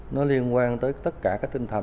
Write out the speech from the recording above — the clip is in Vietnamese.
nó liên quan tới tất cả cái tinh thần